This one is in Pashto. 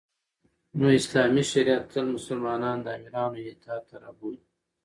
نو اسلامی شریعت تل مسلمانان د امیرانو اطاعت ته رابولی